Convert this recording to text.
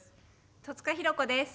戸塚寛子です。